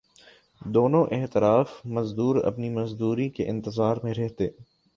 دونوں اطراف مزدور اپنی مزدوری کے انتظار میں رہتے